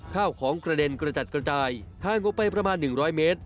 ข้าวของกระเด็นกระจัดกระจายทางออกไปประมาณหนึ่งร้อยเมตร